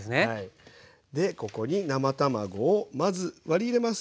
ここに生卵をまず割り入れます。